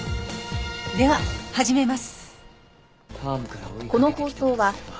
では始めます。